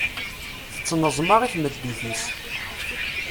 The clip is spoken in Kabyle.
Tettneẓma i tmeddit-is.